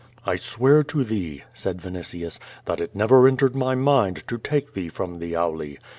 "I swear to thee," said Vinitius, "that it never entered my mind to take thee from the Auli.